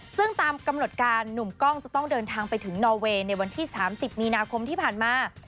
ซึ่งตามกำหนดการหนุ่มกล้องจะต้องเดินทางไปถึงนอเวย์ในวันที่๓๐มีนาคมที่ผ่านมา